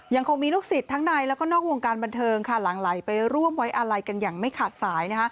ยังคงมีลูกศิษย์ทั้งในแล้วก็นอกวงการบันเทิงค่ะหลังไหลไปร่วมไว้อาลัยกันอย่างไม่ขาดสาย